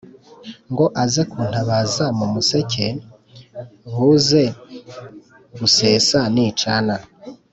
Ngo aze kuntabaza mu museke, buze gusesa nicana.